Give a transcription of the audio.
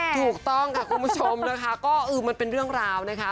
ถูกต้องค่ะคุณผู้ชมมันเป็นเรื่องราวนะคะ